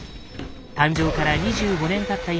誕生から２５年たった